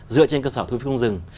dựa trên cơ sở thu phương rừng